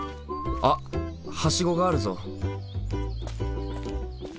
あはしごがあるぞ。